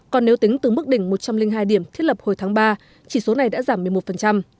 còn nếu tính từ mức đỉnh một trăm linh hai điểm thiết lập hồi tháng ba chỉ số này đã giảm một mươi một